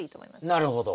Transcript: なるほど。